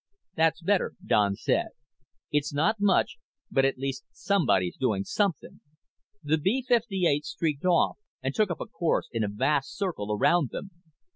"That's better," Don said. "It's not much, but at least somebody's doing something." The B 58 streaked off and took up a course in a vast circle around them.